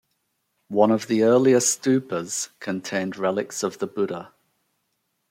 One of the earliest stupas, contained relics of the Buddha.